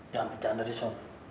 jangan bercanda tante ina